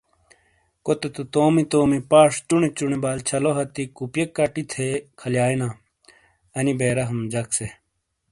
کوتے تو تومی تومی پاش چونے چونے بالچھلو ہتھی کوپئے کٹی تھے کھلیانا ان بےرحم جک سے۔